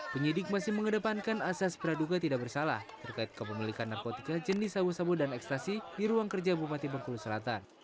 penyidik masih mengedepankan asas peraduga tidak bersalah terkait kepemilikan narkotika jenis sabu sabu dan ekstasi di ruang kerja bupati bengkulu selatan